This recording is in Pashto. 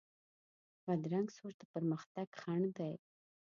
بدرنګه سوچ د پرمختګ خنډ دی